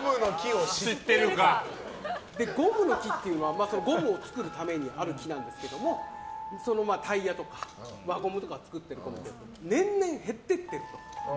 ゴムの木っていうのはゴムを作るためにある木なんですけどタイヤとか、輪ゴムとか作ってるゴムが年々減ってきてると。